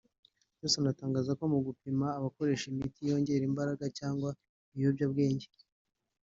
Johnson atangaza ko mu gupima abakoresha imiti yongera imbaraga cyangwa ibiyobyabwenge